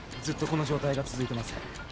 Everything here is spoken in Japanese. ずっとこの状態が続いてます。